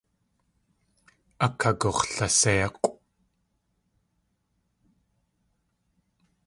Akagux̲laséik̲ʼw.